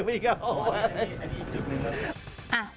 อันนี้อีกจุดหนึ่งครับ